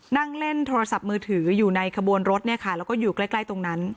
นั่งเล่นโทรศัพท์มือถืออยู่ในขบวนรถเนี่ยค่ะแล้วก็อยู่ใกล้ตรงนั้น